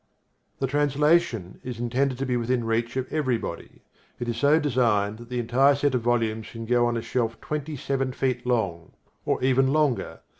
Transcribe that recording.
The translation is intended to be within reach of everybody. It is so designed that the entire set of volumes can go on a shelf twenty seven feet long, or even longer.